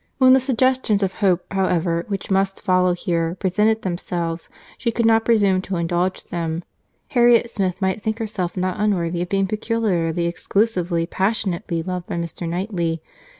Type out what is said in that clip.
—When the suggestions of hope, however, which must follow here, presented themselves, she could not presume to indulge them. Harriet Smith might think herself not unworthy of being peculiarly, exclusively, passionately loved by Mr. Knightley.